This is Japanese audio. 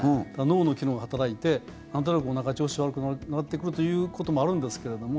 脳の機能が働いてなんとなくおなかの調子が悪くなってくるということもあるんですけれども